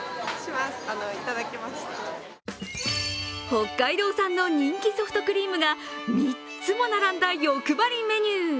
北海道産の人気ソフトクリームが３つも並んだ欲張りメニュー。